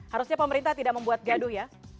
harusnya pemerintah tidak membuat gaduh ya